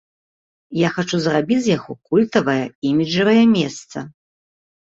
Я хачу зрабіць з яго культавае, іміджавае месца.